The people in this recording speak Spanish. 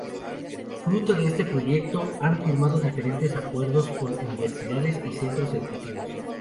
Fruto de este proyecto se han firmado diferentes acuerdos con universidades y centros educativos.